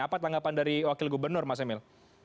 apa tanggapan dari wakil gubernur mas emil